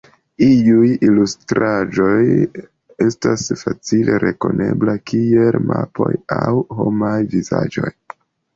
Iuj ilustraĵoj estas facile rekoneblaj, kiel mapoj aŭ homaj vizaĝoj.